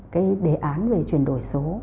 cái đề án về chuyển đổi số